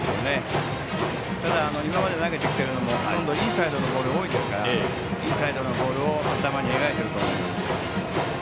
ただ、今まで投げてきているのもほとんどインサイドのボールが多いですからインサイドのボールを頭に描いていると思います。